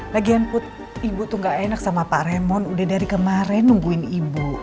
lagian put ibu tuh gak enak sama pak remon udah dari kemarin nungguin ibu